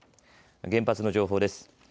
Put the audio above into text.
原発の情報です。